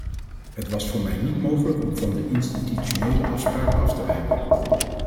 Het was voor mij niet mogelijk om van de institutionele afspraken af te wijken.